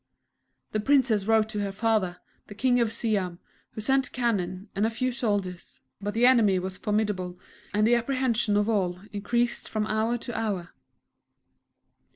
The Princess wrote to her father, the King of Siam, who sent cannon, and a few soldiers; but the enemy was formidable, and the apprehensions of all increased from hour to hour.